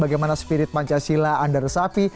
bagaimana spirit pancasila anda resapi